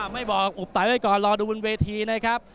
ไม่บอกอบตายไว้ก่อนรอดูบนเวทีนะครับ